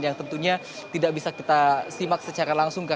yang tentunya tidak bisa kita simak secara langsung